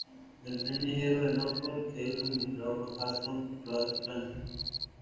El Tren Ligero de Norfolk es administrado por Hampton Roads Transit.